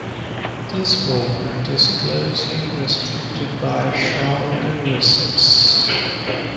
This movement is closely restricted by a shoulder recess.